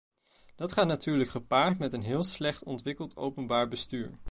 Dat gaat natuurlijk gepaard met een heel slecht ontwikkeld openbaar bestuur.